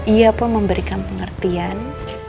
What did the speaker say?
ia pun memberikan pengertian